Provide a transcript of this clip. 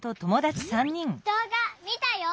「どうがみたよ！」。